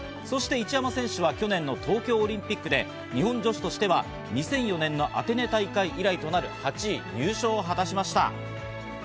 そして一山選手は去年の東京リンピックで日本女子としては２００４年のアテネ大会以来となる８位入賞を果たしました。